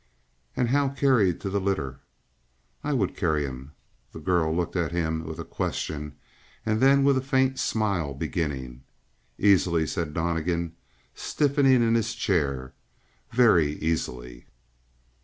"And how carried to the litter?" "I would carry him." The girl looked at him with a question and then with a faint smile beginning. "Easily," said Donnegan, stiffening in his chair. "Very easily."